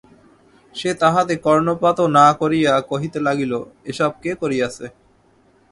সে তাহাতে কর্ণপাতও না করিয়া কহিতে লাগিল, এ-সব কে করিয়াছে?